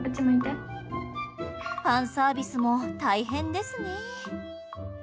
ファンサービスも大変ですね。